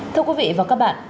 thưa quý vị và các bạn